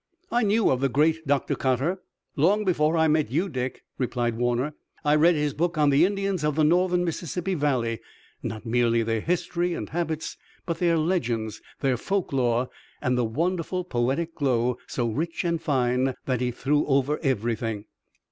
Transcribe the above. "I knew of the great Dr. Cotter long before I met you, Dick," replied Warner. "I read his book on the Indians of the Northern Mississippi Valley. Not merely their history and habits, but their legends, their folk lore, and the wonderful poetic glow so rich and fine that he threw over everything.